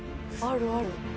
あるある。